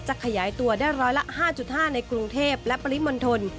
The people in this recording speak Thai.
ขยายตัวได้ร้อยละ๕๕ในกรุงเทพและปริมณฑล